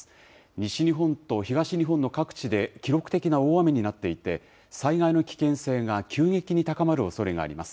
西日本と東日本の各地で記録的な大雨になっていて、災害の危険性が急激に高まるおそれがあります。